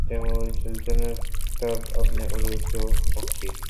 تیموری سلطنت تب اپنے عروج کو پہنچی۔